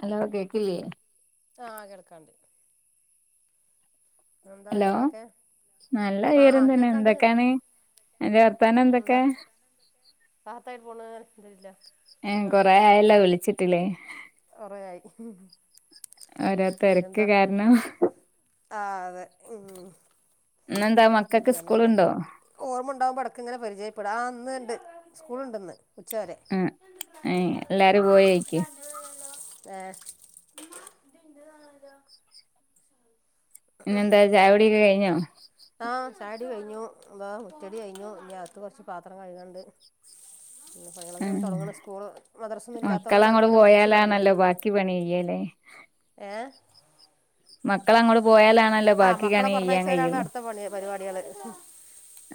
അല്ലാതെ കേക്കില്ലേ ആ കെടക്കാണ്ട് ഹലോ നല്ല ആഹ് ഉയരം ആഹ് തന്നെ കേൾക്കാണ്ട് എന്തൊക്കാണ്? അന്റെ വർത്താനം എന്തൊക്കെ? സാത്തായിട്ട് പോണ് ഇന്ത്ല്ല ഏ കൊറേ ആയല്ലോ വിളിച്ചിട്ടില്ലേ? കൊറേയായി ഒരോ തെരക്ക് കാരണം ആ അതേ ഇൻ - ഇന്നെന്താ മക്കൾക്ക് ഇങ്ങനെ സ്കൂളുണ്ടോ ഓർമ്മ ഉണ്ടാകുമ്പോ ഇടക്കിങ്ങനെ പരിചയപ്പെട ആ ഇന്ന്ണ്ട് സ്കൂൾണ്ട്ന്ന് ഉച്ചരെ ആ എല്ലാരും പോയേക്ക് എ പിന്നെന്താ ചായികുടിയൊക്കെ കഴിഞ്ഞോ ചയ് കുടി കഴിഞ്ഞു താ മുറ്റടി കഴിഞ്ഞു ഇഞ്ഞികത്ത് കുറച്ച് പാത്രം കഴുകാണ്ട് ആ പണികളൊക്കെ തുടങ്ങണം സ്കൂൾ മദ്രസൊന്നും ഇല്ലാത്തോണ്ട് മക്കളങ്ങോട്ട് അവിടങ്ങനെ മടിച്ചുകടന്ന് പോയാലാണല്ലോ ബാക്കി പണി ചെയ്യല്ലേ ഏ മക്കള അങ്ങട്ട പോയാലാണ് ആഹ് മക്കളെ പറഞ്ഞയഴച്ചവരാണ് അടുത്ത പണി പരിപാടികള്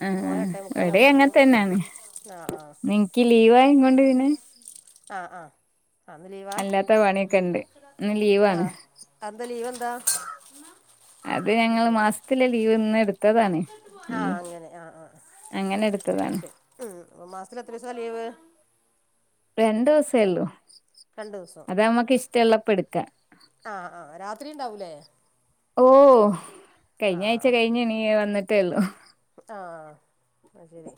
ആ മോനെ ഇവിടെ എട്ടേമക്കാലകുമ്പോ അങ്ങനെ പോകവും തന്നെയാണ് ആഹ് ആഹ നിനിക്ക് ലീവായ കൊണ്ട് പിന്നെ ആ് ആഹ അന്ന് ലീവാ അല്ലാത്ത പണിയൊക്കെ ഉണ്ട് ഇന്ന് ആ ലീവാണ് ആന്താ ലീവ് ന്ത അത് ഞങ്ങൾ മാസത്തില ലീവ് ഇന്ന് എടുത്തതാണ് ഈ അങ്ങനെ എടുത്തതാണ് പക്ഷെ ഉ മാസത്തിൽ എത്ര ദിവസാ ലീവ് രണ്ട ദിവസേള്ളൂ രണ്ട് ദിവസം അത് നമ്മക്ക് ഇഷ്ടമുള്ളപ്പെടുക്ക ഇത്ര ഉണ്ടാവൂലേ ഓ ആ കഴിഞ്ഞ ആഴ്ച കഴിഞ്ഞണീ വന്നിട്ടേള്ളു അഹ ശരി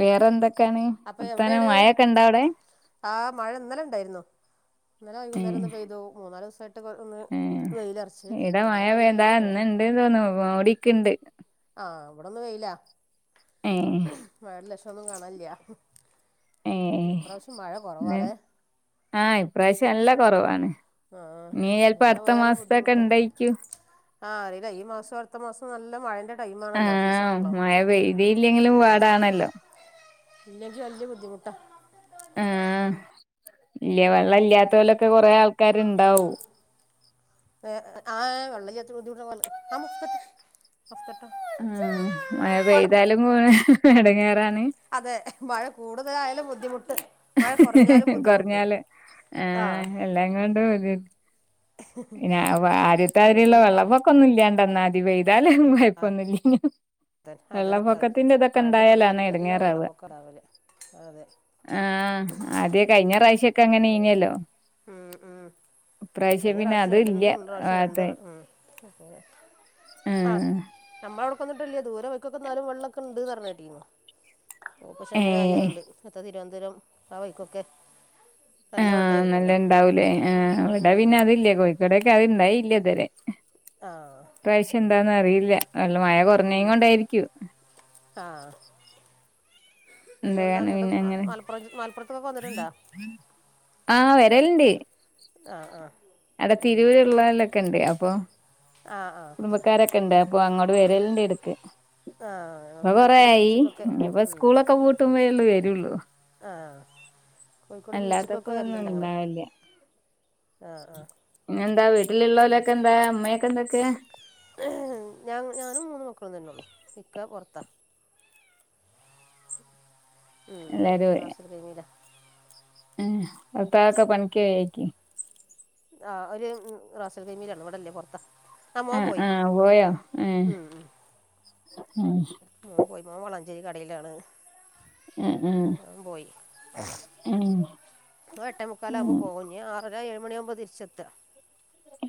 വേറെ എന്തൊക്കെയാണ് അപ്പോൾ വർത്താനം എവിടെയാണ് മഴൊക്കെ ഇണ്ടാ അവിടെ ആ മഴ ഇന്നലെ ഉണ്ടായിരുന്നു ഇന്നലെ ഏ വൈകുന്നേരം ഒന്ന് പെയ്തു മൂന്നാല് ദിവസമായിട്ട് ഒന്ന് ഏ വെയിലറച്ച് ഇന്നലല്ല എന്ന ഇണ്ട്ന്ന് തോന്നു മൂരിക്ക്ണ്ട് ആഹ് ഇവിടെന്ന് വെയില ഏ വേറെ ലഷോന്നും കാണില്ല ഏ ആഹ ഇപ്രാവശ്യം നല്ല കുറവാണ് ആഹ ഇനി ചെലപ്പോ ഇങ്ങനെ അടുത്ത പോയാല മാസത്തൊക്കെ ബുദ്ധിമുട്ടാ ഇണ്ടായിക്കും ആഹ് അറിയില്ല ഈ മാസം അടുത്ത മാസം നല്ല മഴേൻ്റെ ടൈമാണല്ലോ ആഹ സീസണാണല്ലോ മഴ പെയ്തിയില്ലെങ്കിലും പാടാണല്ലോ ഇല്ലെങ്കിൽ വലിയ ബുദ്ധിമുട്ടാ ആഹ ഇല്ല വെള്ളം ഇല്ലാത്തോലൊക്കെ കൊറെ ആൾക്കാാര് ഇണ്ടാവും [unintelligible] ആ മഴ പടർന്ന് പെയ്താലും പോണ് എടങ്ങേറാണ് അതെ മഴ കൂടുതലായാലും ബുദ്ധിമുട്ട് മഴ കുറഞ്ഞാലും ബുദ്ധിമുട്ട് കുറഞ്ഞാല് ആ ആഹ് എല്ലാം കൊണ്ടും ഒരിത് പിന്ന ആദ്ധ്യത്തെതിരിള്ള അങ്ങനെയാണ് വെള്ളപ്പൊക്കെന്നും ല്ല്യാണ്ട്ന്നാതി വൈ താലും കൊയപ്പൊന്നില്ല അതെ അതെ അതെ മഴന്റെ തുടക്കത്തിതന്നെ വെള്ളപ്പൊക്കം ഇടാവല് ആഹ ആദ്യ കഴിഞ്ഞ പ്രാവശ്യം. അങ്ങനെനല്ലോ ഉം, ഉം. ഈ പ്രാവശ്യം കഴിഞ്ഞ പ്രാവശ്യം എൻ്റെ അന്നത്തെ മുന്നേ പ്രാവശ്യം രണ്ട് ഉം. അങ്ങനെ. ആഹ് അമ്മളോടടെന്നിട്ടല്ലേ ദൂരെ വെക്കുന്നാലും വെള്ളമൊക്കെ ണ്ട് പറഞ്ഞെട്ടീരുന്നു ഓപ്പ ഏഹ് ശമനമായിന്നണ്ട് ഇത്തെ തിരുവനന്തപുരം ആ വഴിക്കൊക്കെ വൈക്കൊക്കെ നല്ല ആഹ നല്ല വെള്ളമായിരുന്നല്ലോ ഇണ്ടാവൂലേ ആ അവിടെ ഉം, പിന്നെ ഉം. അതില്ലേ കോഴിക്കോടൊക്കെ അത്ണ്ടായില്ല ഇത്വരെ ആ ഇപ്രാവശ്യം അതെ എന്താന്നറിയില്ല നല്ല മഴ കുറഞ്ഞെകൊണ്ടായിരിക്കും ആഹ എന്താാണ് പിന്നെ അങ്ങനെ മലപ്പുറം ജി- മലപ്പുറത്തൊക്കെ വന്നിട്ടുണ്ടോ ആഹ വരൽണ്ട് ആഹ ആഹ് അടെ തിരൂരുള്ളോലൊക്കെണ്ട് അപ്പൊ ആ ആ ആ കുടുംബക്കാരൊക്കെണ്ട് അപ്പൊ അങ്ങോട്ട് വരൽ ണ്ട് എടക്ക് ആ ഞങ്ങൾ ഇപ്പൊ കൊറെ കോഴിക്കോട് ആയി ബീച്ചിക്കൊക്കെ ഇനിപ്പോ ഉം. സ്കൂളൊക്കെ പൂട്ടുമ്പോള്ളൂ വേര് ആ കോഴിക്കോട് അല്ലാത്തപ്പോ ബീച്ചിക്കൊക്കെ ഒന്നും വരലുണ്ട് ഞങ്ങൾ ഉണ്ടാവില്ല ആ ആ ഇങ്ങെന്താ വീട്ടിലുള്ളവലൊക്കെ എന്താ അമ്മയൊക്കെ എന്തൊക്കെ ഞ ഞാനും മൂന്ന് മക്ക പിക്കപ്പ വർത്ത ഉം ദസ രപമില ഉ അ താക്ക പനക്ക ആക്കി ആഹ ഒരു റോസൻ കമീയിലാണ് ഇവിടല്ലേ പൊറത്ത ആ ആഹ പോയോ ആ ആ പോയി്മ വളാഞ്ചേരി കടയിലാണ് ഉ ഉ മോൻ പോയി ഉ എട്ടേ മുക്കാല ആകുമ്പോ പോകഞ്ഞ ആറ ഏഴുമണിയാകുമ്പോ തിരിച്ചെത്ര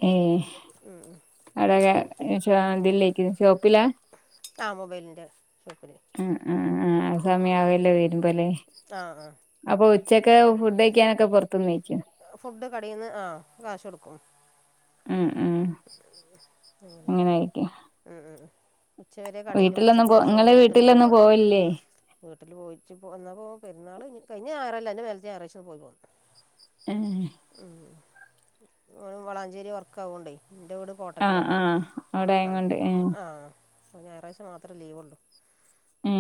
ഏ അവിടക്കെ ഇതിലേക്ക് ഷോപ്പിലാ ആ മൊബൈലിന്റെ ആ ആ ആ സമയവല്ലേ വരുുംമ്പോലെ ആഹ് ആഹ ഉച്ചക്കെ ഫുഡ് കഴിക്കാനൊക്കെ പുറത്തുന്നയി ഫുഡ് കടയിൽന്ന് ആ കാശ കൊടുക്കും ഉ അങ്ങനൊയിരിക്ക ഉച്ച വരെ കടൽ ഉച്ചക്ക് ശേഷം നിങ്ങളെ റോട്ടിന് വീട്ടിലൊന്നും പോവയാണ് പോവലില്ലേ വീട്ടിൽ പോയിട്ട വന്നാപ്പോൾ പെുന്നാൾ കഴഞ്ഞ് കഴിഞ്ഞ ഞാഴറല്ല അതിന്റെ [unintelligible] ഞറാഴ്ച്ച പോവല് ഏ വളാഞ്ചേരി വർക്ക് ആവോണ്ടേ ആഹ് ആഹ് അവിടൊയ കൊണ്ട് ഏ ആ ഞായറാഴ്ച മാത്രമേ ലീവ്ള്ളൂ ഏ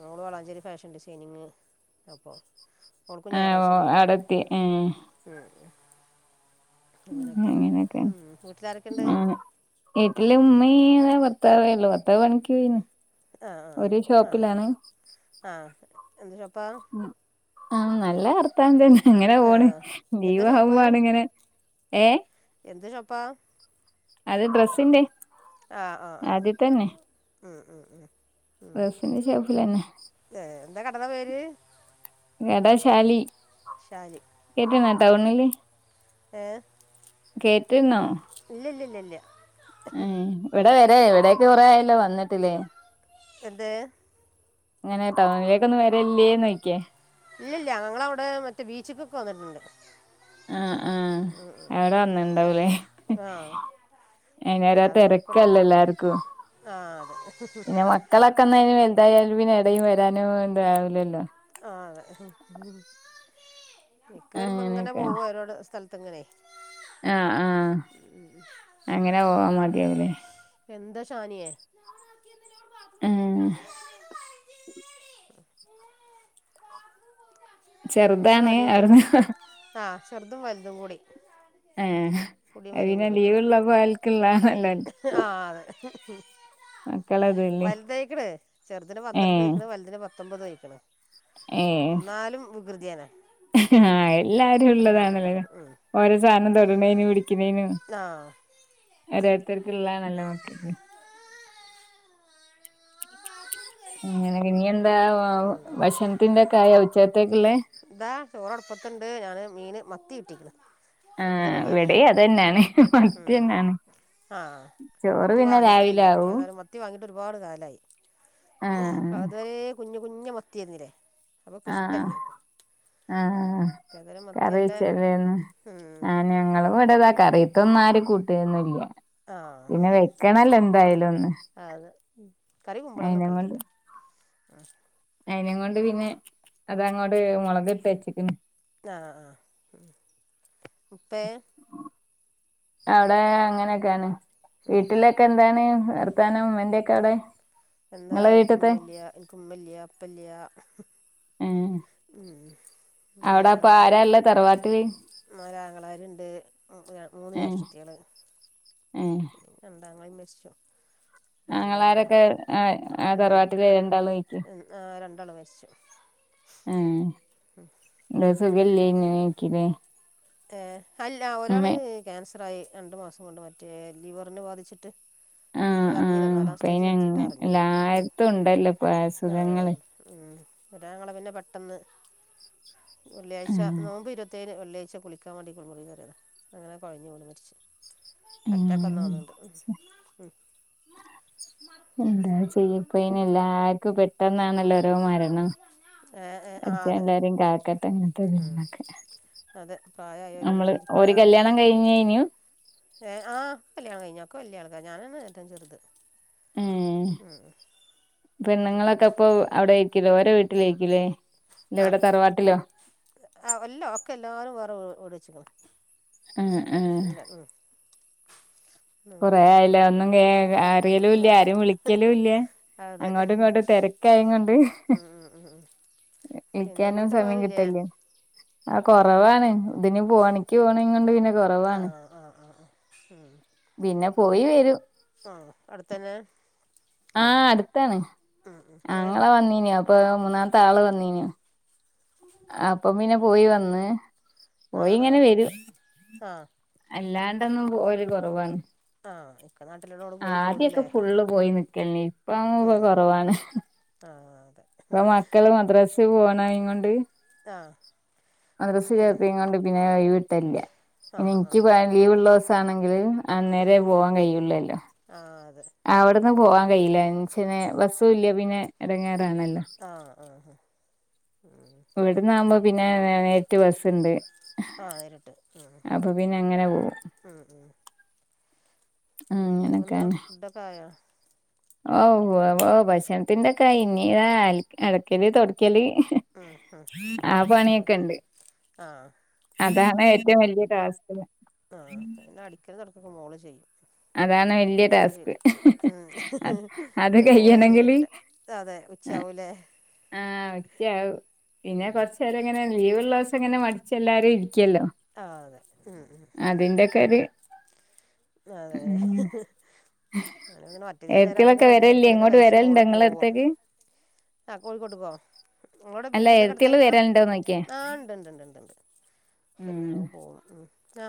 നോള് വളാഞ്ചരി ഫാഷൻ ഡിസൈനിങ് അപ്പോൾ ഓൾക്കും ആ ഓ ഞായറാഴ്ച ലീവുള്ളൂ അടത്തി ഉം അങ്ങനെയൊക്കെ ഉം, വീട്ടിലാരൊക്കെ ഉണ്ട് വ വീട്ടില് ഉമ്മ ഭർത്തേവേള്ളൂ ഭർത്താവ് പണിക്കോയിണ് ആഹ ആഹ ആഹ ആഹ എന് ചോപ്പ ആഹ നല്ല അർഥം ത അങ്ങനെ ആ പോണ് ലീവ എന്താ ഷോപ്പ് ആവുമ്പാണ് ഇങ്ങനെ ഏ പ്പ അത ഡ്രസ്സിന്റെറെ ആ ആ അ ഡ്രസ്സിന്റെ ഷോപ്പിലന്നെ ഏ, എന്താ കടന്റെ പേര് ഏടാശാലി ശാലി ടൗണില് ഏ കേട്ടണോ ഇല്ലല്ല ഇല്ലല്ല അതെ എവിടെക്കെ കുറേ ആയല്ലോ വന്നിട്ടില്ലേ അതെ അങ്ങനെ ടൗണിലേക്ക ഒന്നും വരല്ലേന്ന് ചോദിക്കാ ഇല്ലല്ല ഞവിടെ മറ്റേ ബീച്ച്ക്കൊക്കെ വന്നിട്ടുണ്ട് ആ ആഹ എവിടെ വന്നണ്ടാവലേ ആ അല്ലാതെ കോഴിക്കോട്ടേക്ക് അയ്നോരോത്തരക്കല്ലേ എല്ലാർക്കും ആ അതെ പിന്നെ മക്കളൊക്കെ ഒന്ന അതിന് വലുതായാലും പിന്നെ ഇടയും വരാനും ഉണ്ടാവില്ലല്ലോ ആഹ ഇക്ക വരുമ്പോ ഇങ്ങനെ പോകോ രോട് സ്ഥലത്ത്ങ്ങനെ ആഹ ആഹ അങ്ങനെ പോവാ മതിയാവലേ എന്താ ഷാനിയെ ആഹ മക്കൾ ചെറുതാണ് അടി കൂട അവിടുന്ന് ആ ചെറുതും വലുതും കൂടി പൊടിയും ആ വലിയും പിന്നെ കൂടിയിട്ട് ലീവ്ള്ളപ്പോ ആൽക്കുള്ളാണല്ലോല്ലേ. വലുത് ആയിക്കണ്. ചെറുതിന് ഏ പന്ത്രണ്ട് ആയിക്കണ് വലുതിന് പത്തൊമ്പത് ആയിക്കണ്. ഏ നാലും വികൃതിയാണ് ആ എല്ലാരും അവിടെ കാട്ടട്ടെ ഉള്ളതാണല്ലേലേ ഉം ഓരോ സാധനം തൊടണേനും പിടിക്കണേനും ആ ഓരോരുത്തര് ക്കുള്ളാതനല്ല ഴക്ക് അങ്ങനെ ഒക്കെയാണ് ഇനിയെന്താ ഭക്ഷണത്തിന്റെ ഒക്കെ ആയ ഉച്ച എന്താ ചോറടുപ്പത്തണ്ട് ഞാന് മീൻ മത്തി കിട്ടിക്കണ് ആ അപ്പോൾ ഇത് റെഡിയാക്കുക ഇവിടേം അത് തന്നെയാണ് മത്തി തന്നാണ്. ആ മത്തി വാങ്ങിക്കലില്ല അപ്പ ആവും എന്തായാലും മത്തി വാങ്ങിയിട്ട് ഒരുപാട് കാലായി. ആ അതുവരെ കുഞ്ഞ് കുഞ്ഞ് മത്തിയായിരുന്നില്ലേ അവക്ക് ആ ഇഷ്ടല്ല ഇത്. ആ കറി നല്ല വെച്ചല്ലേർന്നു. ഉം, ഞങ്ങള് ഇവിടെ ത കറിയത്തൊന്നാരും കൂട്ടിയൊന്നൂല്ല. ആ പിന്നെ വെക്കണല്ലോ എന്തായാലും ഒന്ന് ഉം കറി കുമ്പളങ്ങ വക്കണം ഉച്ചക്ക് അയിനകൊണ്ട് പിന്നെ അതങ്ങോട് മുളക് ഇട്ട് വച്ചേക്കുന്നു. ആ ആ ഉപ്പേ അവിടെ അങ്ങനെയൊക്കെയാണ്. വീട്ടിലൊക്കെ എന്താണ് വർത്താനം ഉമ്മേ എന്താ എനക്ക് ഉമ്മ ഇല്ല്യാ എനക്ക് ഉമ്മ ഇല്ല്യാ ഉപ്പ ഇല്ല്യാ. ഏഹ് ഉം അവിടെ അപ്പൊ ആരൊള്ളേ തറവാട്ടില് ഉമ്മാരുടെ ആങ്ങളാരുണ്ട് മൂ മൂന്ന് ഏഹ് ജ്യേഷ്ഠത്തികള് ഏഹ് രണ്ടാങ്ങളേം മരിച്ചു. രണ്ടാളൊള്ളു ആങ്ങളാരൊക്കെ ആ ആ ഉം തറവാട്ടില് രണ്ടാളും നിക്ക് ആ രണ്ടാള് മരിച്ചു. ആ സുഖോല്യ ഇങ്ങനെ ഇരിക്കണ്. ഏ അല്ല ഒരാള് ക്യാൻസറായി രണ്ടു മാസം കൊണ്ട് മറ്റേ ലിവറിനു ബാധിച്ചിട്ട്. ആഹ് അതറിഞ്ഞില്ല ആഹ് നാലാം സ്റ്റേജിൽ എത്തിയിട്ടാ അറിഞ്ഞത് ഉം വായ സുഖങ്ങള് ഒരാങ്ങള പിന്നെ പെട്ടെന്ന് വെള്ളിയാഴ്ച ആഹ് നോമ്പ് ഇരുപത്തേഴിന് വെള്ളിയാഴ്ച കുളി ക്കാൻ വേണ്ടി കുളിമുറീ കേറിയതാ അങ്ങനെ കുഴഞ്ഞ് വീണ് മരിച്ചു. ഉം അറ്റാക്ക് വന്ന തോന്നണ്ട് ഉ മ്മട് എന്താ ചെയ്യേപ്പ അയ്നി എല്ലാർക്കും പെട്ടെന്നാണല്ലോ ഒരോ മരണം. ഏ ഏ ആ അതെ എല്ലാരെയും ഉം ഉം കാക്കട്ടെ ഉം ഇങ്ങനത്തൊക്കെ അതെ നമ്മള് പ്രായമായവരിങ്ങനെ ഒരു ഇരിക്കുക കല്യാണം കഴിഞ്ഞേനു ഏ ആ കല്യാണം കഴിഞ്ഞു ഒക്ക വല്യാൾക്ക ഞാനാണ് ഏറ്റേം ചെറുത്. ഏ ഉം പെണ്ണുങ്ങളൊക്കെ ഇപ്പോ അവിടെയായിരിക്കൂലേ ഓരോ വീട്ടിലായിരിക്കൂലേ. ഇല്ല അ ഇവിടെ തറവാട്ടിലോ അ എല്ല ഒക്കെ എല്ലാരും വേറെ വീട് വച്ചേക്കണ് ഏ ഏ അങ്ങനെ കൊറെ പോണ് ആയില്ലെ ഒന്നും കേ ഉം ഉം ഉം അറിയലുംല്ല അതെ ആരും വിളിക്കലും ഇല്ല അതെ അങ്ങോട്ടും ഉം ഇങ്ങോട്ടും തേ തെരക്കായും കൊണ്ട് ഉം ഉം ഉം ഉം പിന്നെ വിളിക്കാനും വീട്ട് സമയം പോവലില്ലേ കിട്ടില്ല. ആ കൊറവാണ് ഇതിന് പോ പണിക്ക് പോണേ കൊണ്ട് പിന്നെ ആ കൊറവാണ് ആ ആ ആ ഉം പിന്നെ ഒരു പോയി വരും ആ അടുത്ത തന്നെ ആഹ് അടുത്താണ് ഉം ഏ ആങ്ങ വന്നീനോ അപ്പൊ മൂന്നാമത്തെ ആള് വന്നീനോ അപ്പീനെ പോയി വന്ന് പോയി ആഹ് ഇങ്ങനെ വരും ആ ആഹ് അല്ലാണ്ടൊന്നും ഒരു കുറവാണ് ആ ഇക്ക നാട്ടിലുള്ളോണ്ട് ആ പോയി ആദ്യൊക്കെ പോരൂല്ലേ ഫുള്ള് പോയി നിക്കല്ലേ ഇപ്പ്പ കുറവാണ് ആഹ് ഇപ്പ മക്കള് മദ്രാസൽ പോണ കൊണ്ട് ആഹ മദ്രസ്സ ചേർത്തിയോണ്ട് പിന്നെ ഒഴിവ് കിട്ടാലില്ല ആ പിന്നെ ആ എനിക്ക്യാൻ ലീവ്ള്ള ആണെങ്കിൽ അന്നേര പോവാൻ കഴുള്ളല്ലോ ആ അതെ ഉം അവിടുന്ന് പോവാൻ കഴിയില്ല ബസ്സും ഇല്ല പിന്നെ ഇടങ്ങാ ആ ആ ഹ ഇവിടന്നാകുമ്പോ പിന്നെ നേരിട്ട് ബസ്സുണ്ട് ആ നേരിട്ട് ഉ അപ്പൊ പിന്നെ അങ്ങനെ പോവും ഉ ഉ ഇപ്പ എന്താ അങ്ങനൊക്കാണ് ഫുഡൊക്കെ ആയൊ ഓ ഓ ഭക്ഷണത്തിന്റെ കൈഞ്ഞ ഇത അടക്കല് തുൊടക്കല് ഉം ഉം ആ പണിയൊക്കെ അതൊക്കെ ഉണ്ട് ആ അതാണ് ഏറ്റവും വലിയ ഡാസ്ക് ആഹ അെ അടിക്കൽ തുൊടക്കൊക്കെ മോള് ചെയ്യും അതാണ് വലിയ മോള് ടാസ്ക് ചെയ്തു അത് അത് മോള് കഴിയണെങ്കില് ചെയ്തിട്ട് അതെ ഉച്ച ആവൂലെ ആഹ വത്യാ പിന്നെ കൊറച്ച നേരം എങ്ങനെ ലീവ് ഉള്ള ദിവസം എങ്ങനെ മടിച്ച് എല്ലാരും ല്ലോ ആ അതെ ഉം ഉം അതിന്റെക്കാര് അതെതെ അങ്ങനെ മറ്റത നേരം അവ എഴത്തികളൊക്കെ അടി തുട വരലില്ലേ ക്കലൊക്കെ ഇങ്ങോട്ട് കഴിച്ചച്ച് വരലുണ്ടോ മോള് നിങ്ങളെ പോകും അടുത്തേക്ക് ആ കോഴിക്കോട്ടക്കോ അങ്ങോടെ അല്ല ബീച്ചിൻ്റെ എഴത്തികള് കടുത്തായിട്ടാ വരലുണ്ടോന്ന് ചോദിക്കാ ആ ഉണ്ട് ഉണ്ട് ഉണ്ട് ഉണ്ട് ഉണ്ട് ഉം കെരുന്നാഗം പോകും ആ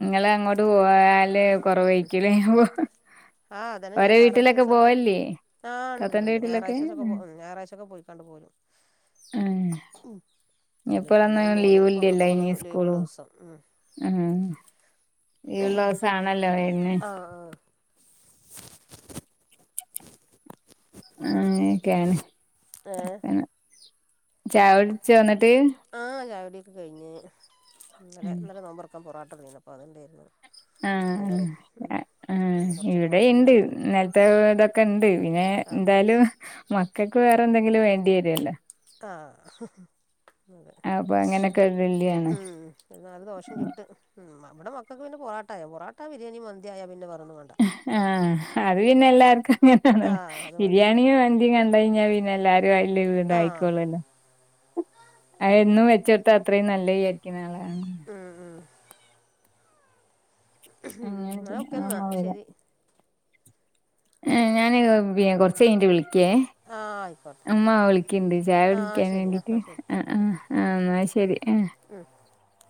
നിങ്ങള് അങ്ങോട്ട് പോല് കൊറവഴക്കല പോ ഒരേ വീട്ടിലൊക്കെ പോവല്ലേ ആഹ് ഉണ്ടണ്ട് ഞായറാഴ്ചച്ചൊക്കെ ഞായറാഴ്ചൊക്കെ പോയിക്കാണ്ട് പോരും ഉം. ഇനി ഇങ്ങനെ അാണ് ഇപ്പളൊന്നും മോനും ലീവ് ഇല്ലല്ലോ മക്കൊക്കെള്ള ഇനി ലീവുള്ള സ്കൂളും ദിവസം ഉ ഉം ഈഒഴിവുള്ള ആണല്ലോ വെരൽ ആ ആ അ ഒക്കെയാണ് ഏ പന ചായടിച്ചോ ന്നിട്ട് ആഹ ചായടിയൊക്കെ കഴിഞ്ഞ് നല്ല ഇന്നലെ നോമ്പറക്കാൻ പൊറോട്ട കൊണ്ടുന്നിനി അപ്പൊ അത്ണ്ടായിരുന്നു ആ ആ പിന്നെ കുറച്ച് ദോശ ഇവിടെുണ്ട് ഉണ്ടാക്കി നിലത്തെ ഇതൊക്കെ ഉണ്ട് പിന്നെ ആ എന്തായാലും മക്കൾക്ക് വേറെ എന്തെങ്കിലും വേണ്ടി വരുല്ലോ ആ അതെ അപ്പൊ അങ്ങനൊക്കെ വല്യാണ് ഉം ഒരു നാല് ദോഷം ചിട്ട് ഉ നമ്മടെ മക്കൾക്ക് പിന്ന പൊറോട്ട പൊറാട്ട ബിരിയാിയി മന്തിയയാ പിന്നെ വേറൊന്നും വേണ്ട ആ ആഹ് അത് പിന്നെ എല്ലാർക്കും അങ്ങനെന്നോ ആ അത് മതി ബിരിയാണിയും മന്തിയും കണ്ട കഴിഞ്ഞാ പിന്നെ എല്ലാരും അതില്ലേ ഇണ്ട ആ ആയിക്കോള്ളല്ലെ അ എന്നും വെച്ചെടുത്താ അത്രയും നല്ല ആയിരിക്കും നാളെ ഉ ഉ ഉ പി ഓക്കെ എന്നാ അമ്മ പോരാ ശരി ആഏ ഞാാന് പി കൊറച്ച കഴിഞ്ഞട്ട വിളിക്കേ ആ ആയിക്കോട്ടെ അ്മ്മ വിളിക്കണ്ട് ചായ ആ വിളിക്കാൻ ശരി ആ വേണ്ടീട്ട് ശരി ആ ആ ഉം